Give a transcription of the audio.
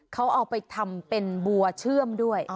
เขาเอาไปทำเป็นบัวเชื่อมด้วย